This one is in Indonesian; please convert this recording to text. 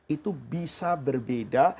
itu bisa berbeda